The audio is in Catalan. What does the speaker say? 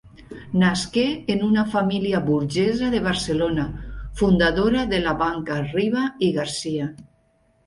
Nasqué en una família burgesa de Barcelona, fundadora de la Banca Riba i Garcia.